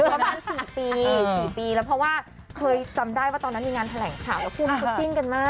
ประมาณ๔ปี๔ปีแล้วเพราะว่าเคยจำได้ว่าตอนนั้นมีงานแถลงข่าวแล้วคู่มันก็จิ้นกันมาก